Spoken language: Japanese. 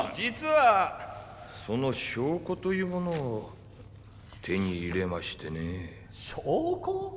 実はその証拠というものを手に入れましてねえ証拠？